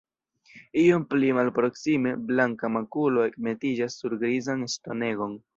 Iom pli malproksime, blanka makulo ekmetiĝas sur grizan ŝtonegon.